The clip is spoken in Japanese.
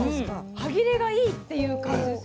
歯切れがいいっていう感じですよね。